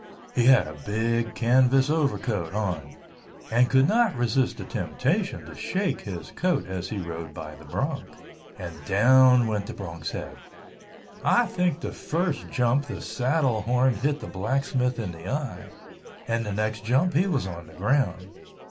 He had a big canvas overcoat on and could not resist the temptation to shake his coat as he rode by the bronc—and down went the bronc's head. I think the first jump the saddle horn hit the blacksmith in the eye, and the next jump he was on the ground.